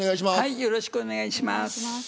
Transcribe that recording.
よろしくお願いします。